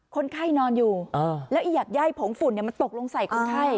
คนไข้นอนอยู่แล้วอยากย่ายผงฝุ่นมันตกลงใส่คนไข้